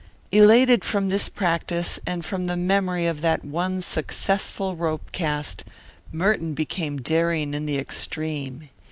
Elated from this practice and from the memory of that one successful rope cast, Merton became daring in the extreme.